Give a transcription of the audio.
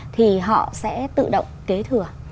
thì họ sẽ tự động kế thừa